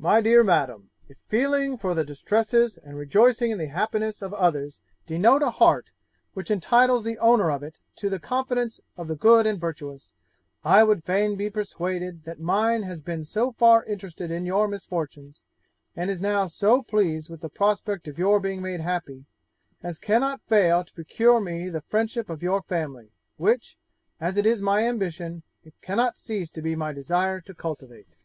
'MY DEAR MADAM, If feeling for the distresses and rejoicing in the happiness of others denote a heart which entitles the owner of it to the confidence of the good and virtuous, I would fain be persuaded that mine has been so far interested in your misfortunes, and is now so pleased with the prospect of your being made happy, as cannot fail to procure me the friendship of your family, which, as it is my ambition, it cannot cease to be my desire to cultivate.